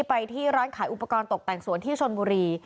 ไปที่ร้านขายอุปกรณ์ตกแต่งสวนที่ชนบุรี